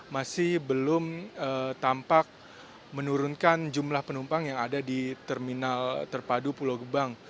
masih belum tampak menurunkan jumlah penumpang yang ada di terminal terpadu pulau gebang